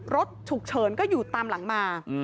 รถฉุกเฉินก็อยู่ตามหลังมา